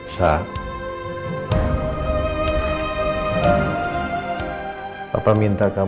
saya akan pergi dulu ya